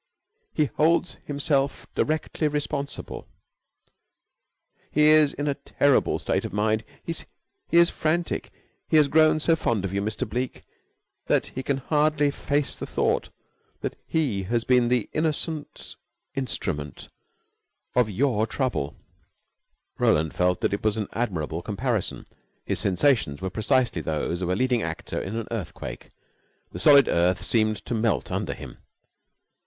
He holds himself directly responsible. He is in a terrible state of mind. He is frantic. He has grown so fond of you, Mr. Bleke, that he can hardly face the thought that he has been the innocent instrument of your trouble." Roland felt that it was an admirable comparison. His sensations were precisely those of a leading actor in an earthquake. The solid earth seemed to melt under him.